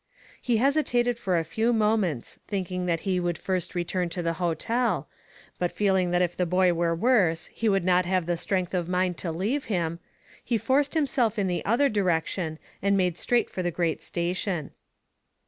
He hesitated for a few moments, thinking that he would first return to the hotel, but feeling that if the boy were worse he would not have the strength of mind to leave him, he forced himself in the other direction and made straight for the great station.